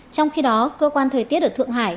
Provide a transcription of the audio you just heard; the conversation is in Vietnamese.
trong khi đó cơ quan thời tiết ở thượng hải